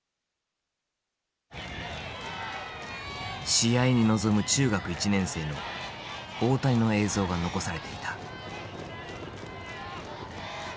試合に臨む中学１年生の大谷の映像が残されていた。